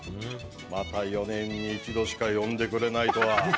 また４年に１度しか呼んでくれないとは。